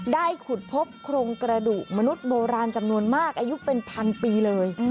ขุดพบโครงกระดูกมนุษย์โบราณจำนวนมากอายุเป็นพันปีเลย